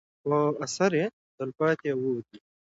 خو اثر یې تل پاتې او اوږد وي.